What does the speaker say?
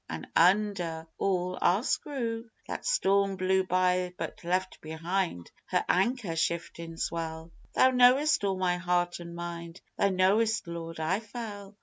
An' under all, our screw. That storm blew by but left behind her anchor shiftin' swell, Thou knowest all my heart an' mind, Thou knowest, Lord, I fell.